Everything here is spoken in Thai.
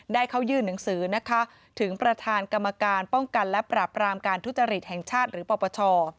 ได้เข้ายื่นหนังสือนะคะถึงประธานกรรมการป้องกันและปรับรามการทุจริตแห่งชาติหรือปปช